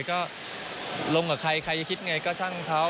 เกรงที่แบบเหมือนเรามาเจอกันในงาน